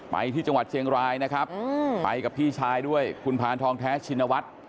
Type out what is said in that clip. ไปที่จังหวัดเชียงรายนะครับไปกับพี่ชายด้วยคุณพานทองแท้ชินวัฒน์